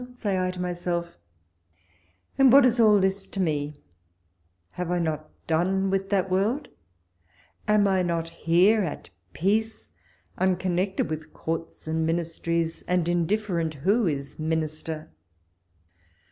say I to myself, and what is all this to me ? Have not I done with that world I Am not I here at peace, unconnected with Courts and Ministries, and indifferent who is Minister?